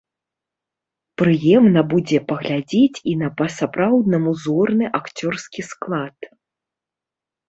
Прыемна будзе паглядзець і на па-сапраўднаму зорны акцёрскі склад.